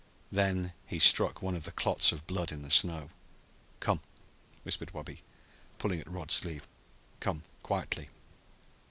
Then he struck one of the clots of blood in the snow. "Come," whispered Wabi, pulling at Rod's sleeve, "come quietly."